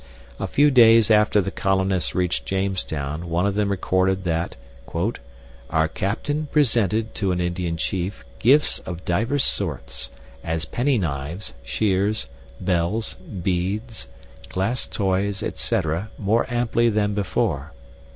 A few days after the colonists reached Jamestown one of them recorded that "our captaine ... presented [to an Indian chief] gyftes of dyvers sortes, as penny knyves, sheeres, belles, beades, glass toyes &c. more amply then before."